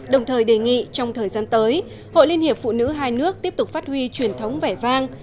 đồng thời đề nghị trong thời gian tới hội liên hiệp phụ nữ hai nước tiếp tục phát huy truyền thống vẻ vang